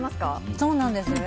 そうなんです。